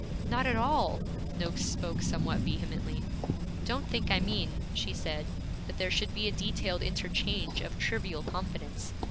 'Not at all!' Noakes spoke somewhat vehemently. 'Don't think I mean,' she said, 'that there should be a detailed interchange of trivial confidence.